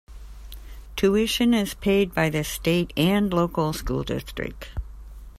Tuition is paid by the state and local school district.